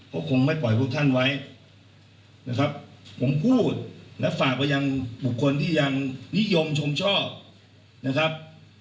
ก็คงไม่ปล่อยพวกท่านไว้นะครับผมพูดและฝากไปยังบุคคลที่ยังนิยมชมชอบนะครับ